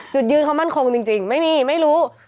จุดยืนเขามั่นคงจริงไม่มีไม่รู้